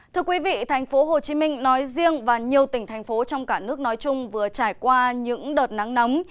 thưa quý vị thành phố hồ chí minh nói riêng và nhiều tỉnh thành phố trong cả nước nói chung vừa trải qua những đợt nắng nóng